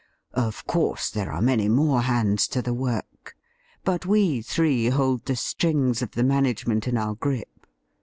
' Of course, there are many more hands to the work, but we three hold the strings of the management in our grip.